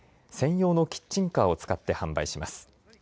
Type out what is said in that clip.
専用のキッチンカーを使って販売します。